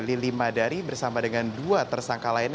lili madari bersama dengan dua tersangka lainnya